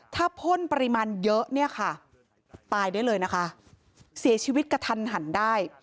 ถ้าพ่นปริมาณเยอะตายได้เลยสีชีวิตกระทันหันได้